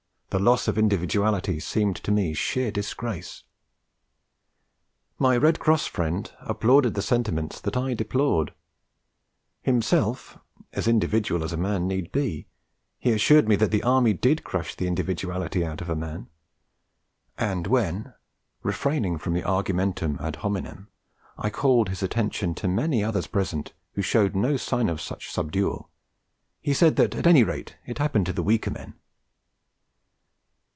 The loss of individuality seemed to me sheer disgrace.' My Red Cross friend applauded the sentiments that I deplored; himself as individual as a man need be, he assured me that the Army did crush the individuality out of a man; and when, refraining from the argumentum ad hominem, I called his attention to many others present who showed no sign of such subdual, he said at any rate it happened to the weaker men.